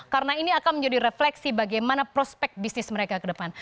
karena ini akan menjadi refleksi bagaimana prospek bisnis mereka ke depan